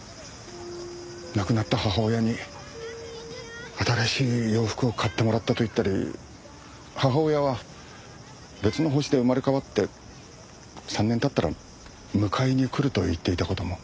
亡くなった母親に新しい洋服を買ってもらったと言ったり母親は別の星で生まれ変わって３年経ったら迎えに来ると言っていた事も。